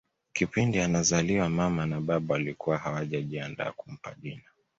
Kipindi anazaliwa mama na baba walikuwa hawajajiandaa kumpa jina